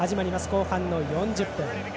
後半の４０分。